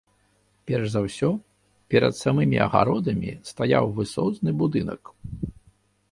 Перш за ўсё, перад самымі агародамі стаяў высозны будынак.